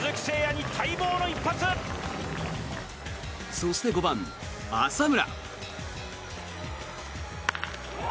そして５番、浅村。